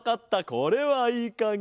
これはいいかげ。